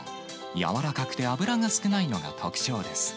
柔らかくて脂が少ないのが特徴です。